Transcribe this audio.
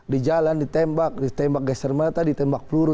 di jalan ditembak ditembak geser mata ditembak peluru